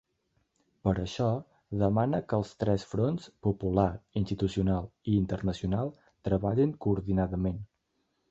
Per això, demana que els tres fronts –popular, institucional i internacional– treballin coordinadament.